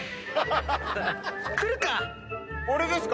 来るか？